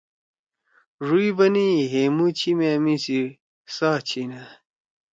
ڙُوئں بنَئی: ”ہے مُو چھی مأمی سی ساہ چھی نأ!